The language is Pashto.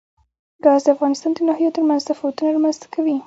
ګاز د افغانستان د ناحیو ترمنځ تفاوتونه رامنځ ته کوي.